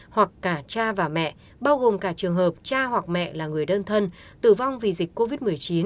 hoặc cả cha và mẹ bao gồm cả trường hợp cha hoặc mẹ là người đơn thân tử vong vì dịch covid một mươi chín